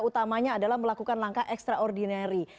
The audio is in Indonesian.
utamanya adalah melakukan langkah ekstraordinari